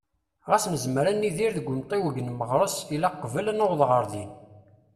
Ɣas nezmer ad nidir deg umtiweg n Meɣres, ilaq qbel ad naweḍ ɣer din.